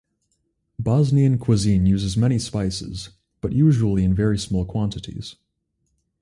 Bosnian cuisine uses many spices, but usually in very small quantities.